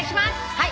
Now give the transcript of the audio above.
はい。